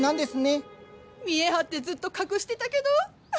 見え張ってずっと隠してたけど。